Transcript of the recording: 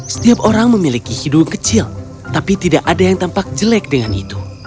setiap orang memiliki hidung kecil tapi tidak ada yang tampak jelek dengan itu